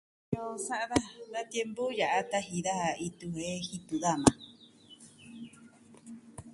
Tiñu sa'a daja da tiempu ya'a taji daja itu jen jitu daja majan.